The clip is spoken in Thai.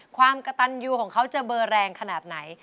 ความกระตันยูของเขาจะเบอร์แรงขนาดไหน